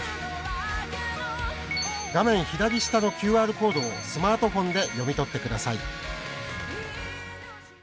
画面左下のＱＲコードをスマートフォンで読み取ってください。